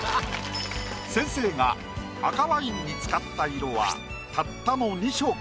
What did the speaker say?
先生が赤ワインに使った色はたったの２色。